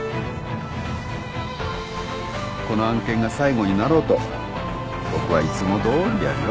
この案件が最後になろうと僕はいつもどおりやるよ。